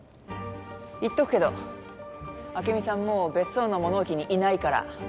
言っとくけど朱美さんもう別荘の物置にいないから。